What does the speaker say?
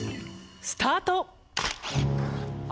スタート！